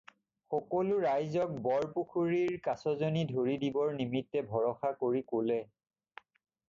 সকলো ৰাইজক বৰপুখুৰীৰ কাছজনী ধৰি দিবৰ নিমিত্তে ভাৰসা কৰি ক'লে।